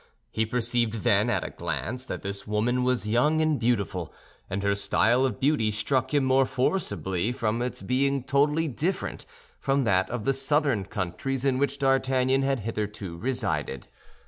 He perceived then, at a glance, that this woman was young and beautiful; and her style of beauty struck him more forcibly from its being totally different from that of the southern countries in which D'Artagnan had hitherto resided.